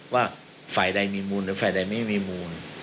ว่าฝ่ายใดมีมูลหรือฝ่ายใดไม่มีมูล